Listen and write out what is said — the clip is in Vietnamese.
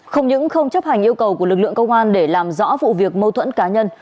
không những không chấp hành yêu cầu của lực lượng công an để làm rõ vụ việc mâu thuẫn cá nhân